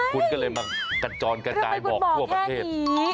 คุณก็เลยมากระจอนกระจายบอกทั่วประเทศ